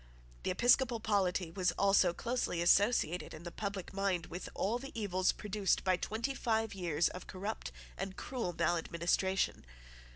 The episcopal polity was also closely associated in the public mind with all the evils produced by twenty five years of corrupt and cruel maladministration.